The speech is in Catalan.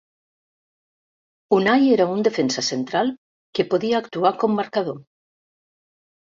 Unai era un defensa central que podia actuar com marcador.